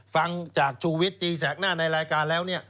ฟังจากชูวิตตีแสกหน้าในรายการแล้วเนี่ย